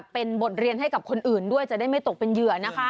เป็นบทเรียนให้กับคนอื่นด้วยจะได้ไม่ตกเป็นเหยื่อนะคะ